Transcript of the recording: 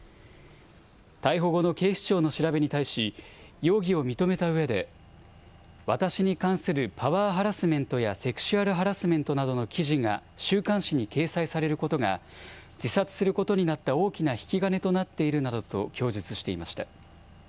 逮捕後の警視庁の調べに対し、容疑を認めたうえで、私に関するパワーハラスメントやセクシュアルハラスメントなどの記事が週刊誌に掲載されることが、自殺することになった大きな引き金となっているなどと供述していました。